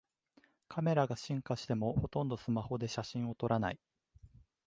カメラが進化してもほとんどスマホで写真を撮らない